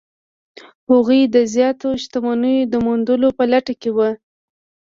هغوی د زیاتو شتمنیو د موندلو په لټه کې وو.